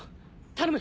頼む。